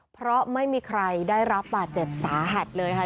เพราะไม่มีใครได้รับบาดเจ็บสาหัสเลยค่ะ